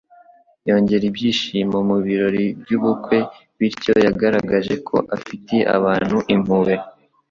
yongera ibyishimo mu birori by’ubukwe. Bityo yagaragaje ko afitiye abantu impuhwe,